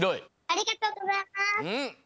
ありがとうございます！